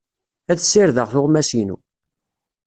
Ad ssirdeɣ tuɣmas-inu.